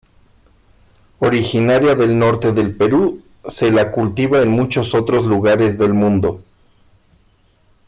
Originaria del norte del Perú, se la cultiva en muchos otros lugares del mundo.